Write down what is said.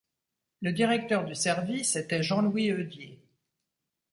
Le directeur du service était Jean-Louis Heudier.